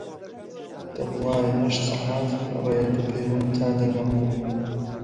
دەبوایە هەشت سەعات ڕێ بپێوم تا دەگەمەوە